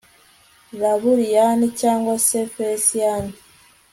laburiyani cyangwa se felesiyani